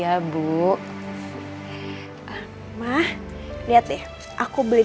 aduh tuh kan